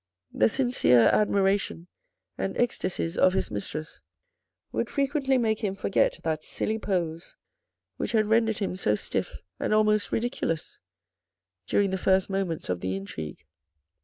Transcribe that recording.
The sincere admiration and ecstacies of his mistress would frequently make him forget that silly pose which had rendered him so stiff and almost ridiculous during the first moments of the intrigue.